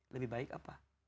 lebih baik apa